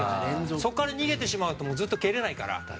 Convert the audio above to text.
そこから逃げてしまうとずっと蹴れないから。